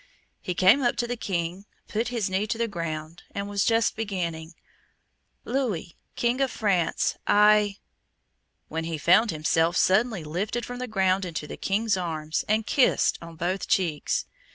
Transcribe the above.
He came up to the King, put his knee to the ground, and was just beginning, "Louis, King of France, I " when he found himself suddenly lifted from the ground in the King's arms, and kissed on both cheeks.